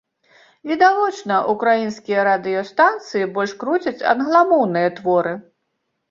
Відавочна, украінскія радыёстанцыі больш круцяць англамоўныя творы.